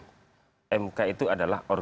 jalan untuk jalan untuk jalan yang lebih jauh